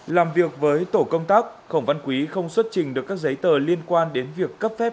làm việc với tổ công tác khổng văn quý không xuất trình được các giấy tờ liên quan đến việc cấp phép